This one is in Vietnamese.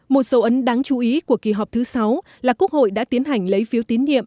một dấu ấn đáng chú ý của kỳ họp thứ sáu là quốc hội đã tiến hành lấy phiếu tín nhiệm